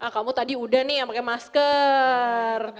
kamu tadi udah nih yang pakai masker